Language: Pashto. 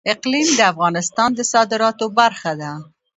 اقلیم د افغانستان د صادراتو برخه ده.